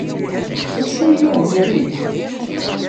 D acu i yuɣen iɣil-ik?